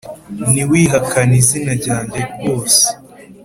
ntiwihakane izina ryanjye rwose